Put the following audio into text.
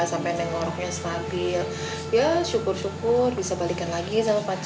sampai nengoroknya stabil